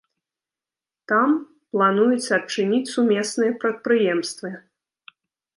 Там плануюць адчыніць сумесныя прадпрыемствы.